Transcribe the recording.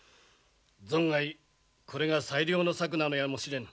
存外これが最良の策なのやもしれぬ。